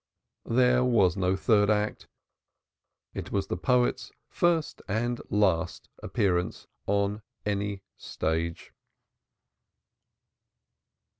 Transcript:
There was no third act. It was the poet's first and last appearance on any stage.